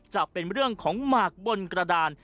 จะเป็นเรื่องของหมากบนกระดาน